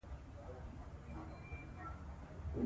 خاوره د افغانستان د ناحیو ترمنځ تفاوتونه رامنځ ته کوي.